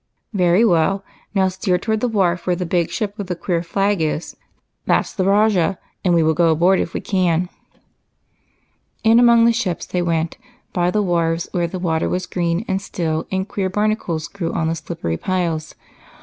Very well ; now steer toward the wharf where the big ship with the queer flag is. That 's the 'Rajah,' and we will go aboard if we can." In among the ships they went, by the wharves where the water was green and still, and queer bar nacles grew on the slippery piles.